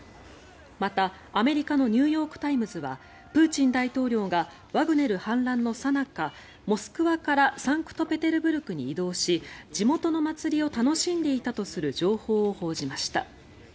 また、アメリカのニューヨーク・タイムズはプーチン大統領がワグネル反乱のさなかモスクワからサンクトペテルブルクに移動し地元の祭りを楽しんでいたとする情報を報じました。